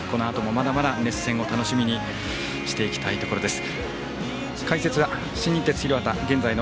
このあとも、まだまだ熱戦楽しみにしていきたいところです。